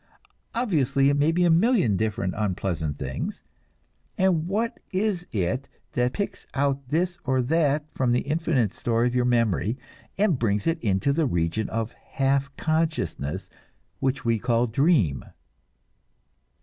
Obviously, it may be a million different unpleasant things; and what is it that picks out this or that from the infinite store of your memory, and brings it into the region of half consciousness which we call the dream?